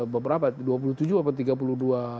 beberapa dua puluh tujuh atau tiga puluh dua